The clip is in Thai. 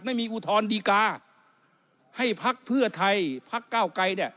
ไม่มีอุทรดีกาให้พักเพื่อไทยพักก้าวไกล